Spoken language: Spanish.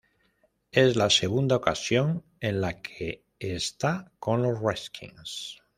Es la segunda ocasión en la que está con los Redskins.